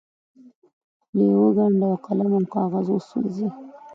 خولې وګنډي او قلم او کاغذ وسوځوي.